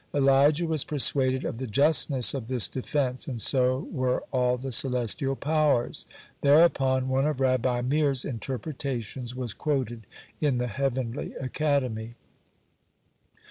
Elijah was persuaded of the justness of this defense, and so were all the celestial powers. Thereupon one of Rabbi Meir's interpretations was quoted in the heavenly academy.